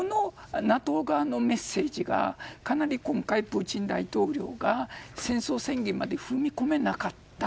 このＮＡＴＯ側のメッセージがかなり今回、プーチン大統領が戦争宣言まで踏み込めなかった